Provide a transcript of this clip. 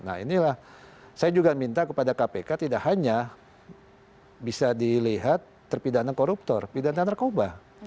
nah inilah saya juga minta kepada kpk tidak hanya bisa dilihat terpidana koruptor pidana narkoba